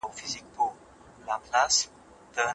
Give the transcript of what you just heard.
که مسواک وکاروې، نو په کارونو کې به دې بریا راشي.